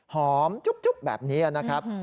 หอมจุ๊บแบบนี้นะครับ